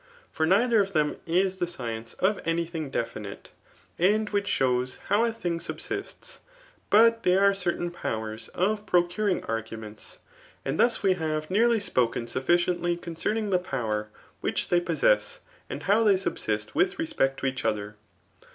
For pekhcr of thm k tbe sdenoe of any tfaiiq; ^Make^ and which thows hov a. thing subsins, but they are certain powers of procuring' arguments. And thus we have nearly vpoken stiffidendy coneerping Ae power which they poneai^ and how* lliej criisisr with respect to each other.